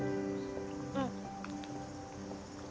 うん